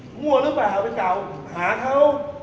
เป็นล่ะหรือเปล่าไปกล่าวหาเขา